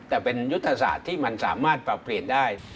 แต่เป็นยุทธศาสตร์ที่มันสามารถปรับเปลี่ยนได้